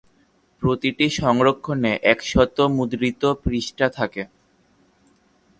প্রতিটি সংস্করণে একশত মুদ্রিত পৃষ্ঠা থাকে।